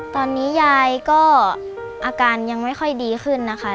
ตอนนี้ยายก็อาการยังไม่ค่อยดีขึ้นนะคะ